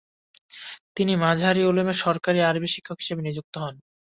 তিনি মাজাহির উলুমে সহকারী আরবি শিক্ষক হিসাবে নিযুক্ত হন।